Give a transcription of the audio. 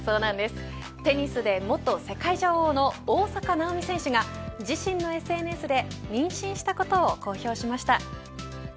テニスで元世界女王の大坂なおみ選手が自身のＳＮＳで妊娠したことを公表しました。